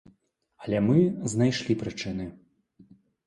Але мы знайшлі прычыны.